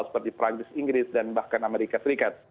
seperti perancis inggris dan bahkan amerika serikat